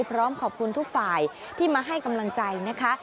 พร้อมขอบคุณทุกฝ่ายที่มาให้กำลังใจนะคะ